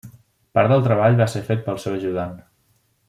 Part del treball va ser fet pel seu ajudant.